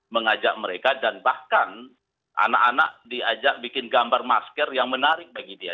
mengajak mereka dan bahkan anak anak diajak bikin gambar masker yang menarik bagi dia